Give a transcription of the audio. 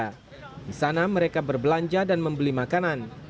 di sana mereka berbelanja dan membeli makanan